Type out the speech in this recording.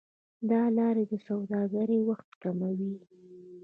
دا لارې د سوداګرۍ وخت کموي.